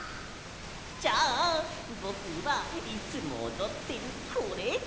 じゃあぼくはいつもおどってるこれ！